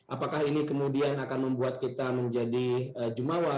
apakah ini kemudian akan membuat kita menjadi jumawa